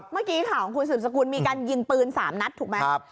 เมื่อกี้ข่าวของคุณสืบสกุลมีการยิงปืน๓นัดถูกไหม